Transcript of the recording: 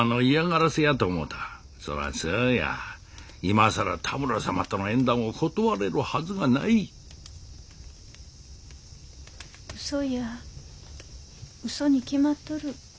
そらそうや今更多村様との縁談を断れるはずがないうそやうそに決まっとる。